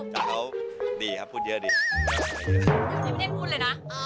ฉันไม่ได้คุยเลยนะ